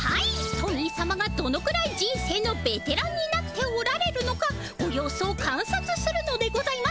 トミーさまがどのくらい人生のベテランになっておられるのかご様子をかんさつするのでございますね。